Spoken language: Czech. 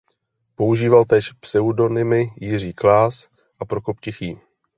Používal též pseudonymy Jiří Klas a Prokop Tichý.